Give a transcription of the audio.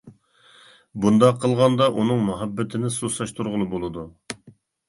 بۇنداق قىلغاندا ئۇنىڭ مۇھەببىتىنى سۇسلاشتۇرغىلى بولىدۇ.